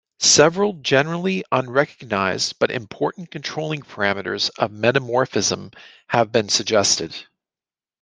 Several generally unrecognized but important controlling parameters of metamorphism have been suggested.